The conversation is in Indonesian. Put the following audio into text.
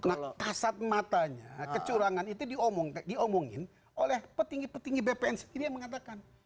nah kasat matanya kecurangan itu diomongin oleh petinggi petinggi bpn sendiri yang mengatakan